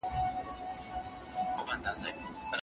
د ښه پرمختګ لپاره تل خپلي موخي او کارونه یاداښت کړئ.